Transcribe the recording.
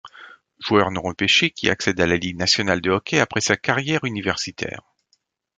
Joueur non-repêché qui accède à la Ligue nationale de hockey après sa carrière universitaire.